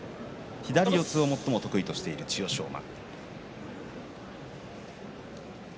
左四つを最も得意としている千代翔馬。